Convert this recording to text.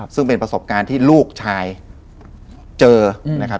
ซึ่งเป็นประสบการณ์ที่ลูกชายเจอนะครับ